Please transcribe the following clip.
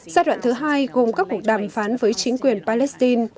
giai đoạn thứ hai gồm các cuộc đàm phán với chính quyền palestine